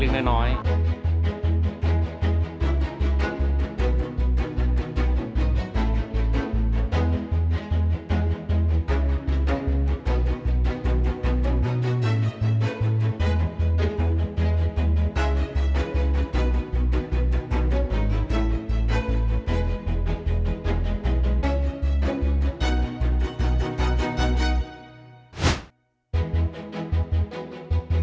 ก็เลยแบ่งกันเยอะแล้วว่าสมควรเชื่อแล้ว